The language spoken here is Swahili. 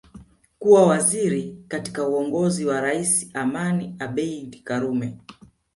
Kuwa waziri katika uongozi wa Rais Amani Abedi Karume